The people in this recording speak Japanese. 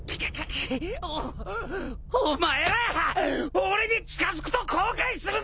俺に近づくと後悔するぞ！